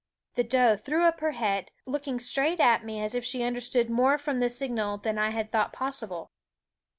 The doe threw JVighfr J& U P ner nea d, looking straight at me, as if she had understood more from the signal than I had thought possible.